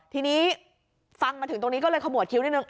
ทีนี้ฟังมาถึงตรงนี้ก็เลยขมวดคิ้วนิดนึง